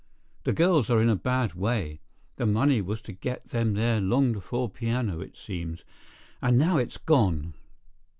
The girls are in a bad way. The money was to get them their longed for piano, it seems, and now it's gone."